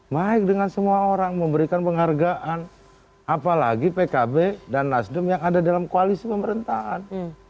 mike dengan semua orang memberikan penghargaan apalagi pkb dan nasdem yang ada dalam koalisi pemerintahan